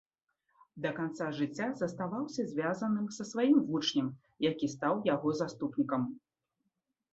Да канца жыцця заставаўся звязаных са сваім вучнем, які стаў яго заступнікам.